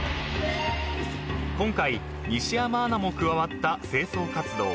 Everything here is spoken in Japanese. ［今回西山アナも加わった清掃活動］